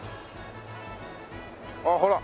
ああほら。